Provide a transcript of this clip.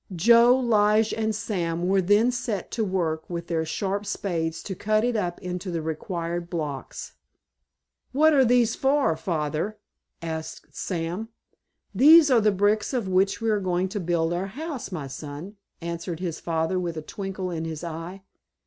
Joe, Lige, and Sam were then set to work with their sharp spades to cut it up into the required blocks. "What are these for, Father?" asked Sam. "These are the bricks of which we are going to build our house, my son," answered his father with a twinkle in his eye.